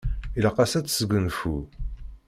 Ilaq-as ad tesgunfu.